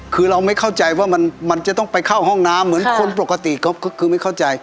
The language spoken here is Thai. คือเราไม่เข้าใจว่ามันจะต้องไปเข้าห้องน้ำเหมือนคนปกติก็คือไม่เข้าใจ